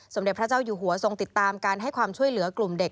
เด็จพระเจ้าอยู่หัวทรงติดตามการให้ความช่วยเหลือกลุ่มเด็ก